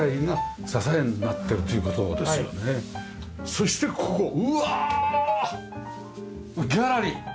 そしてここうわあ！ギャラリー？